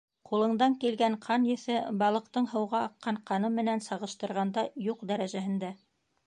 Ҡулыңдан килгән ҡан еҫе, балыҡтың һыуға аҡҡан ҡаны менән сағыштырғанда, юҡ дәрәжәһендә.